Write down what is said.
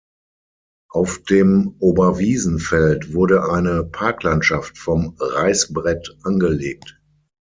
Auf dem Oberwiesenfeld wurde eine Parklandschaft vom Reißbrett angelegt.